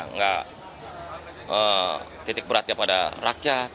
nggak titik beratnya pada rakyat